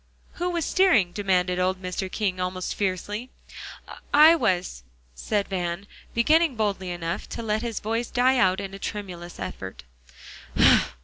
"Who was steering?" demanded old Mr. King almost fiercely. "I was," said Van, beginning boldly enough, to let his voice die out in a tremulous effort.